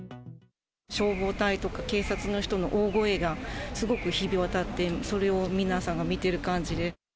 消防隊とか警察の人の大声がすごく響き渡って、それを皆さんが見てる感じで。